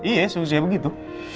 iya seusia begitu